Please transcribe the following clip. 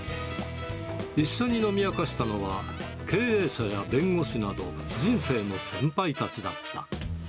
一緒に飲み明かしたのは、経営者や弁護士など人生の先輩たちだった。